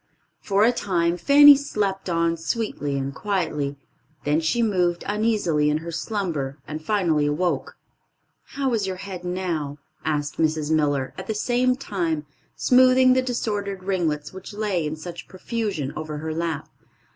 For a time Fanny slept on sweetly and quietly; then she moved uneasily in her slumber, and finally awoke. "How is your head now?" asked Mrs. Miller, at the same time smoothing the disordered ringlets which lay in such profusion over her lap.